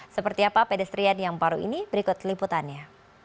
seperti apa pedestrian yang baru ini berikut liputannya